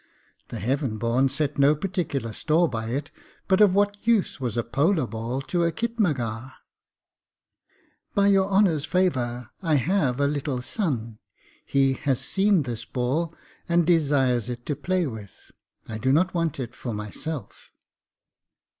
The Heaven born set no particular store by it; but of what use was a polo ball to a khitmatgar? 'By Your Honour's favour, I have a little son. He has seen this ball, and desires it to play with, I do not want it for myself.'